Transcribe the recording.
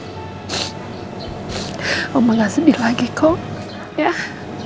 mama gak sedih lagi kok